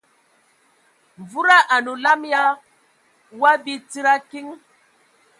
Wuda anə olam ya wa bi tsid a kiŋ.